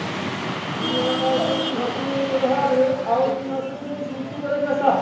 女子１００ｍハードル、青木益未選手に来ていただきました。